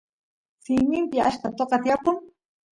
simimpi achka toqa tiyapun